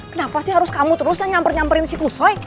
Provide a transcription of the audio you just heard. kenapa sih harus kamu terus yang nyamper nyamperin si kusoy